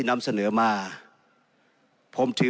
ในฐานะรัฐสภาวนี้ตั้งแต่ปี๒๖๒